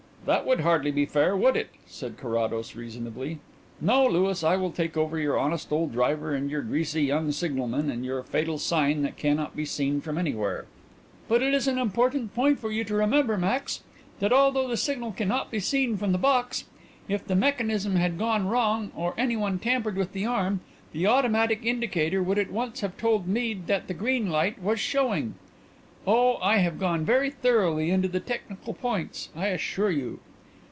"That would hardly be fair, would it?" said Carrados reasonably. "No, Louis, I will take over your honest old driver and your greasy young signalman and your fatal signal that cannot be seen from anywhere." "But it is an important point for you to remember, Max, that although the signal cannot be seen from the box, if the mechanism had gone wrong, or anyone tampered with the arm, the automatic indicator would at once have told Mead that the green light was showing. Oh, I have gone very thoroughly into the technical points, I assure you."